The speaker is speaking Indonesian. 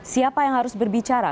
siapa yang harus berbicara